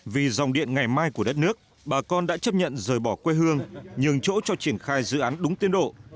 vì dòng điện ngày mai của đất nước bà con đã chấp nhận rời bỏ quê hương nhường chỗ cho triển khai dự án đúng tiến độ